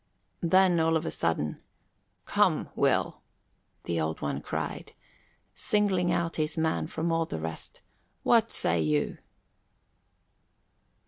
Then, of a sudden, "Come, Will," the Old One cried, singling out his man from all the rest, "what say you?"